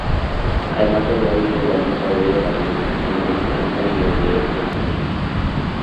Además logró liderar la lista de radiodifusión de Francia y el de Letonia.